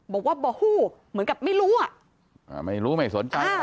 บอกว่าบ่อฮู้เหมือนกับไม่รู้อ่ะอ่าไม่รู้ไม่สนใจ